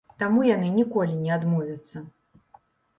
Таму яны ніколі не адмовяцца.